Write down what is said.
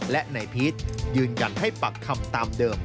และนายพีชยืนยันให้ปากคำตามเดิม